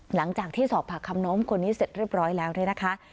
หลังจากที่สอบผักคำน้อมคนนี้เสร็จเรียบร้อยแล้วเนี่ยนะคะ